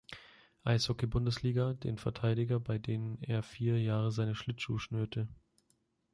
Eishockey-Bundesliga den Verteidiger bei denen er vier Jahre seine Schlittschuh schnürte.